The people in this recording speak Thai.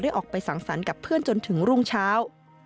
ออกไปสังสรรค์กับเพื่อนจนถึงรุ่งเช้า